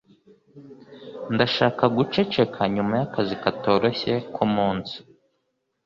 Ndashaka guceceka nyuma yakazi katoroshye k'umunsi.